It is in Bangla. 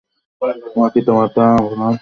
আমার পিতামাতা আপনার জন্য কুরবান।